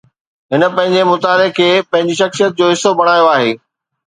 هن پنهنجي مطالعي کي پنهنجي شخصيت جو حصو بڻايو آهي